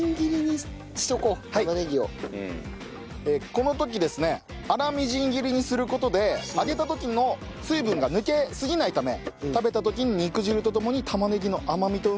この時ですね粗みじん切りにする事で揚げた時の水分が抜けすぎないため食べた時に肉汁とともに玉ねぎの甘みとうまみがジュワッと出てくるそうです。